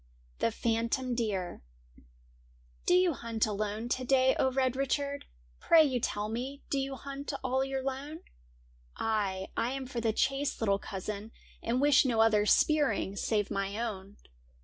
THE PHANTOM DEER ' Do you hunt alone to day, O Red Richard ! Pray you tell me, do you hunt all your lone ?'' Ay, I am for the chase, little cousin, And wish no other spearing save my own.'